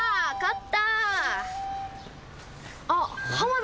勝った。